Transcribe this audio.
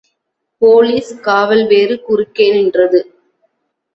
Police காவல்வேறு குறுக்கே நின்றது.